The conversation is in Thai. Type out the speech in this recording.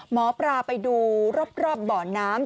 หมอปลาไปดูรอบบ่อน้ำ